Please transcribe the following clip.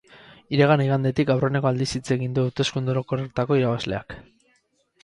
Iragan igandetik aurreneko aldiz hitz egin du hauteskunde orokorretako irabazleak.